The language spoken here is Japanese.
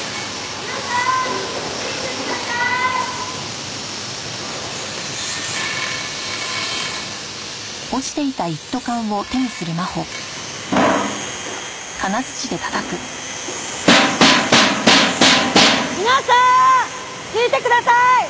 皆さん聞いてください！！